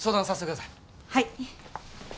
はい。